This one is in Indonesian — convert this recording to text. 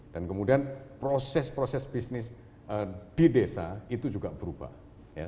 dan kemudian proses proses bisnis di desa itu juga berubah